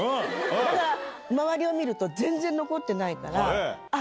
ただ、周りを見ると全然残ってないから。